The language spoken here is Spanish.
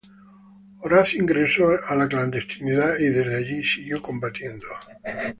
Horacio ingresó a la clandestinidad y desde allí siguió combatiendo.